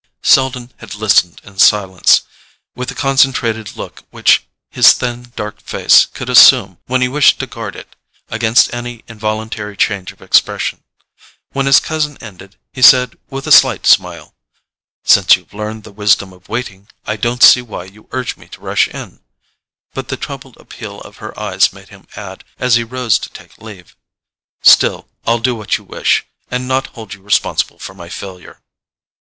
Selden had listened in silence, with the concentrated look which his thin dark face could assume when he wished to guard it against any involuntary change of expression. When his cousin ended, he said with a slight smile: "Since you've learned the wisdom of waiting, I don't see why you urge me to rush in—" but the troubled appeal of her eyes made him add, as he rose to take leave: "Still, I'll do what you wish, and not hold you responsible for my failure."